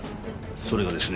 それがですね